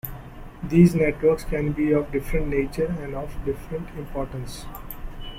These networks can be of different nature and of different importance.